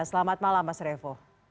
selamat malam mas revo